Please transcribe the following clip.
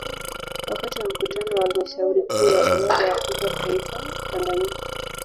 Wakati wa Mkutano wa Halmashauri Kuu ya umoja wa afrika kitaifa Tanganyika